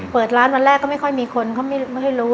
เปิดร้านวันแรกก็ไม่ค่อยมีคนเขาไม่ให้รู้